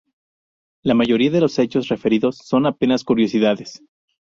La mayoría de los hechos referidos son apenas curiosidades.